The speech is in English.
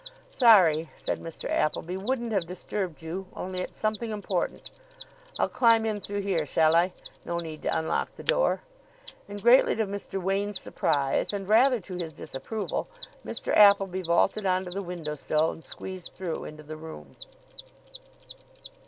"Sorry," said Mr. Appleby. "Wouldn't have disturbed you, only it's something important. I'll climb in through here, shall I? No need to unlock the door." And, greatly to Mr. Wain's surprise and rather to his disapproval, Mr. Appleby vaulted on to the window sill, and squeezed through into the room.